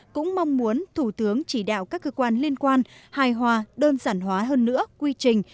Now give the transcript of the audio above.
cũng mong muốn thủ tướng chỉ đạo các cơ quan liên quan hài hòa đơn giản hóa hơn nữa quy trình